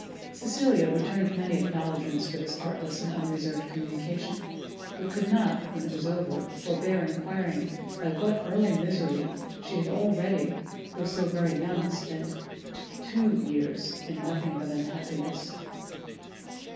Cecilia returned many acknowledgments for this artless and unreserved communication, but could not, when it was over, forbear enquiring by what early misery she had already, though so very young, spent two years in nothing but unhappiness?